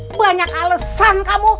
banyak alesan kamu